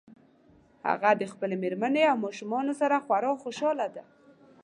هغه د خپلې مېرمنې او ماشومانو سره خورا خوشحاله ده